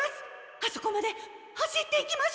あそこまで走っていきましょう！